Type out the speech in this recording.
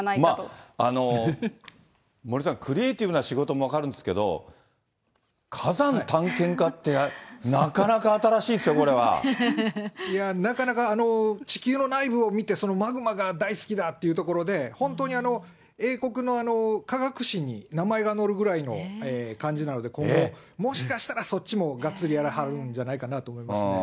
まあ、森さん、クリエーティブな仕事も分かるんですけど、火山探検家って、なかなか、地球の内部を見て、そのマグマが大好きだっていうところで、本当に英国の科学誌に名前が載るぐらいの感じなので、今後、もしかしたらそっちも、がっつりやらはるんじゃないかなと思いますね。